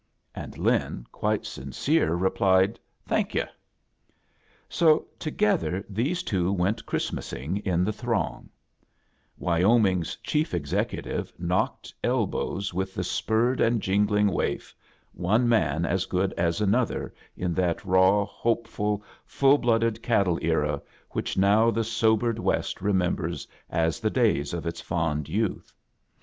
And Lin, quite sincere, replied, "Thank yu'." So together these two went Christmas ing in the throng, Wyoming's Chief Ex ecutive knocked elbows with the spurred g and jingling waif, one man as good as an other in that raw, hopeful, full blooded cattle era which now the sobered West remembers as the days of its fond youth.